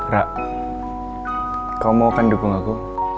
rara kau mau kan dukung aku